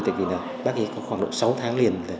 tại vì là bác ấy có khoảng độ sáu tháng liền